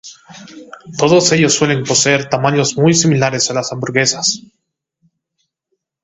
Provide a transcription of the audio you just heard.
Todos ellos suelen poseer tamaños muy similares a las hamburguesas.